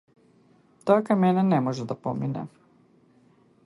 Тоа кај мене не може да помине!